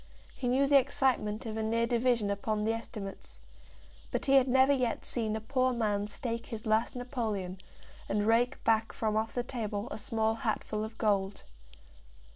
He knew the excitement of a near division upon the estimates. But he had never yet seen a poor man stake his last napoleon, and rake back from off the table a small hatful of gold.